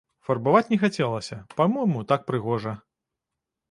Фарбаваць не хацелася, па-мойму, так прыгожа.